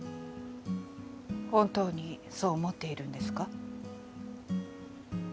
本当にそう思っているんですか？